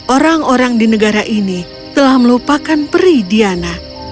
orang orang di negara ini telah melupakan peri diana